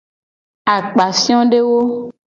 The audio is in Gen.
Akpafiodewo.